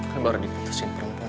kan baru diputusin perempuan